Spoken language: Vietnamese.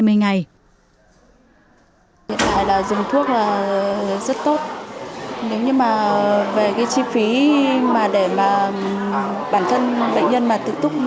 hiện tại là dùng thuốc là rất tốt nếu như mà về cái chi phí mà để mà bản thân bệnh nhân mà tự túc